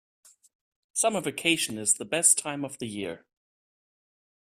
Summer vacation is the best time of the year!